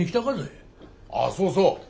ああそうそう。